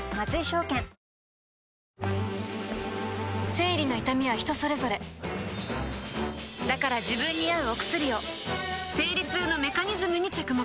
生理の痛みは人それぞれだから自分に合うお薬を生理痛のメカニズムに着目